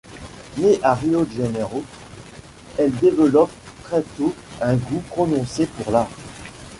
Née à Rio de Janeiro, elle développe très tôt un goût prononcé pour l’art.